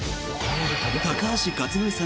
高橋克典さん